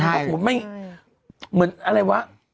ใช่มันไม่เหมือนอะไรวะ